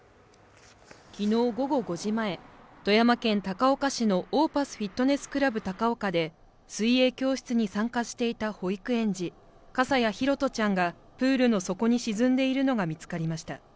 昨日午後５時前、富山県高岡市のオーパスフィットネスクラブ高岡で、水泳教室に参加していた保育園児、笠谷拓杜ちゃんがプールの底に沈んでいるのが見つかりました。